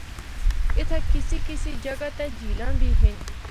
اِتھا کسی کسی جگہ تے جھیلاں بھی ہن۔